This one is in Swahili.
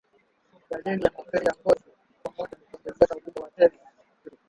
Dalili ya mapele ya ngozi kwa ngombe ni kuongezeka ukubwa kwa tezi